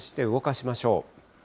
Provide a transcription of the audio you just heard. そして動かしましょう。